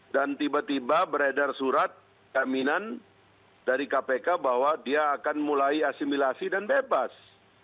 dan tiba tiba beredar surat keminan dari kpk bahwa dia akan mulai asimilasi dan bebas